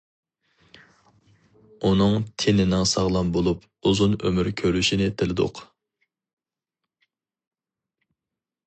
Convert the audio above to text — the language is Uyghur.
ئۇنىڭ تېنىنىڭ ساغلام بولۇپ، ئۇزۇن ئۆمۈر كۆرۈشىنى تىلىدۇق.